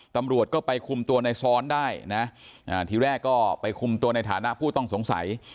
ตำรวจก็ไปคุมตัวในซ้อนได้นะทีแรกก็ไปคุมตัวในฐานะผู้ต้องสงสัย